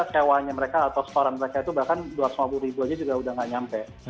sewanya mereka atau seorang mereka itu bahkan dua ratus lima puluh ribu aja juga sudah tidak sampai